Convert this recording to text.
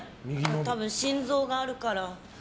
多分、心臓があるから。